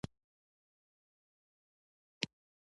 ميرويس نيکه يوه بام ته وخوت.